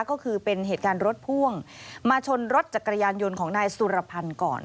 ก็คือเป็นเหตุการณ์รถพ่วงมาชนรถจักรยานยนต์ของนายสุรพันธ์ก่อน